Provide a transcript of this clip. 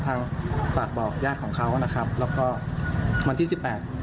ฝากบอกญาติของเขานะครับแล้วก็วันที่สิบแปด